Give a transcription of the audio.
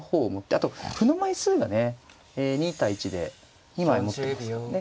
あと歩の枚数がね２対１で２枚持ってますよね。